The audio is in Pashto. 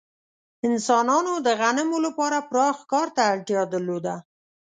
انسانانو د غنمو لپاره پراخ کار ته اړتیا درلوده.